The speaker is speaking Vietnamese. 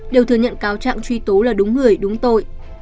đều thừa nhận cáo trạng truy tố là đúng người đúng tội